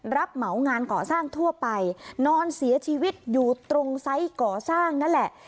เหมางานก่อสร้างทั่วไปนอนเสียชีวิตอยู่ตรงไซส์ก่อสร้างนั่นแหละ